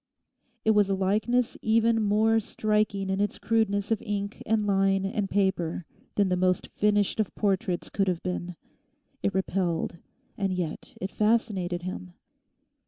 It was a likeness even more striking in its crudeness of ink and line and paper than the most finished of portraits could have been. It repelled, and yet it fascinated him.